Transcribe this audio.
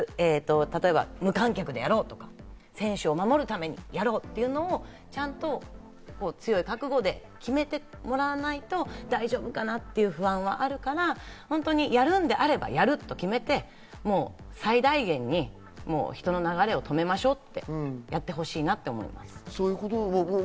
例えば無観客でやろうとか、選手を守るためにやろうというのをちゃんと強い覚悟で決めてもらわないと、大丈夫かなっていう不安はあるから、やるのであればやると決めて最大限に人の流れを止めましょうって、やってほしいなって思います。